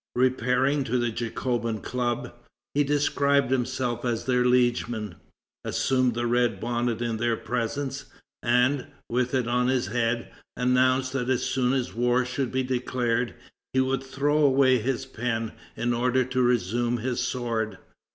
Repairing to the Jacobin Club, he described himself as their liegeman, assumed the red bonnet in their presence, and, with it on his head, announced that as soon as war should be declared, he would throw away his pen in order to resume his sword.